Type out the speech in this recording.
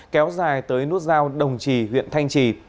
kéo dài tới nút giao đồng trì huyện thanh trì